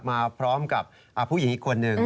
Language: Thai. มาพร้อมกับผู้หญิงอีกคนหนึ่ง